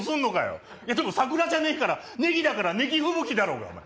でも桜じゃねえからネギだからネギ吹雪だろうがお前。